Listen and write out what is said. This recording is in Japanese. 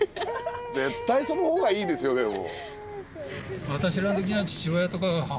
絶対そのほうがいいですよでも。